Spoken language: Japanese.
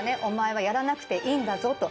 「『お前はやらなくていいんだぞ』